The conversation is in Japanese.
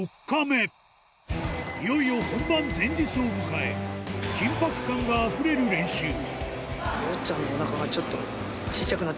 いよいよ本番前日を迎え緊迫感があふれる練習